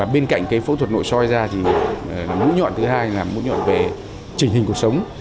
bên cạnh phẫu thuật nội soi ra mũi nhọn thứ hai là mũi nhọn về chỉnh hình cuộc sống